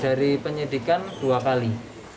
dari penyidikan dua kali